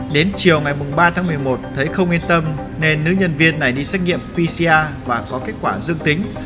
đến chiều ngày ba tháng một mươi một thấy không yên tâm nên nữ nhân viên này đi xét nghiệm pcr và có kết quả dương tính